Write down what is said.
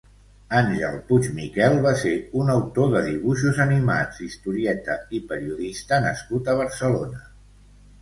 Ángel Puigmiquel va ser un autor de dibuixos animats, historieta i periodista nascut a Barcelona.